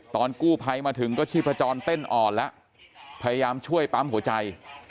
ตอนกู้ภัยมาถึงก็ชีพจรเต้นอ่อนแล้วพยายามช่วยปั๊มหัวใจ